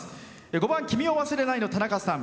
５番「君を忘れない」のたなかさん。